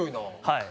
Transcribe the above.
はい。